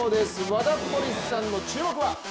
ワダポリスさんの注目は？